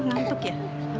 kenapa ngantuk ya